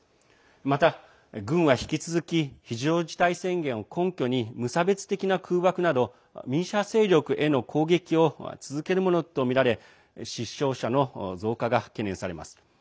また、軍は引き続き非常事態宣言を根拠に無差別的な空爆など民主派勢力への攻撃を続けるものとみられ死傷者の増加が懸念されます。